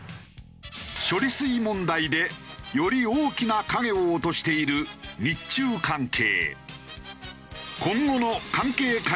処理水問題でより大きな影を落としている日中関係。